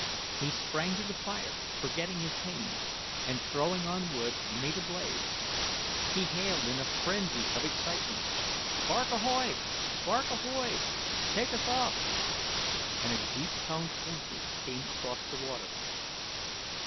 He sprang to the fire, forgetting his pain, and throwing on wood, made a blaze. He hailed, in a frenzy of excitement: "Bark ahoy! Bark ahoy! Take us off," and a deep toned answer came across the water.